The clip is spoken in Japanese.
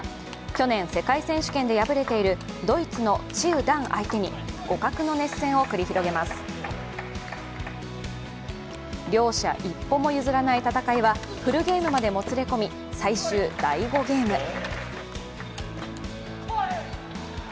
去年、世界選手権で敗れているドイツのチウ・ダン相手に互角の熱戦を繰り広げます。両者一歩も譲らない戦いはフルゲームまでもつれ込み最終第５ゲーム。